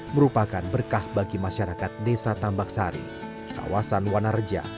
merupakan berkah bagi masyarakat desa tambagsari kawasan wanareja